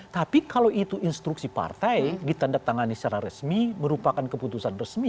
tapi kalau itu instruksi partai ditandatangani secara resmi merupakan keputusan resmi